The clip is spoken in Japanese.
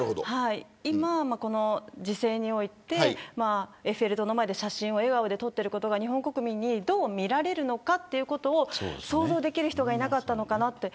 今、この時勢においてエッフェル塔の前で写真を笑顔で撮ることが日本国民にどう見れるのかということを想像できる人がいなかったのかなと。